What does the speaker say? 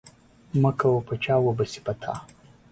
مه کوه په چا وبه سي په تا.